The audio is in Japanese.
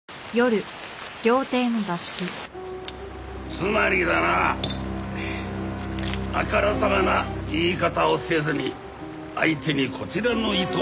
つまりだなあからさまな言い方をせずに相手にこちらの意図を悟らせる。